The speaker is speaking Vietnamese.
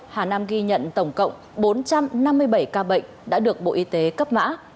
hà nam ghi nhận tổng cộng bốn trăm năm mươi bảy ca bệnh đã được bộ y tế cấp mã